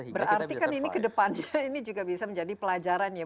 berarti kan ini kedepannya ini juga bisa menjadi pelajaran ya